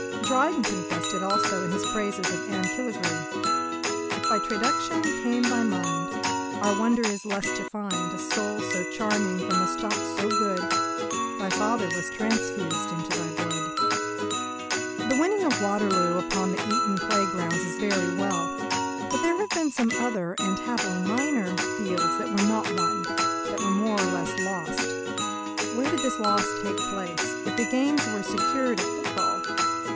Dryden confessed it also in his praises of Anne Killigrew: "If by traduction came thy mind, Our wonder is the less to find A soul so charming from a stock so good. Thy father was transfused into thy blood." The winning of Waterloo upon the Eton playgrounds is very well; but there have been some other, and happily minor, fields that were not won that were more or less lost. Where did this loss take place, if the gains were secured at football?